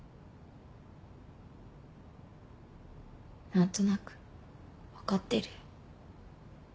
何となく分かってるよ。